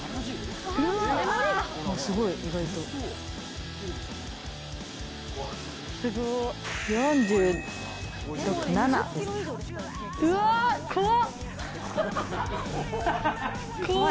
すごい、意外とうわっ、怖っ！